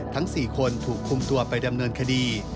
ทั้ง๔คนถูกคุมตัวไปดำเนินคดี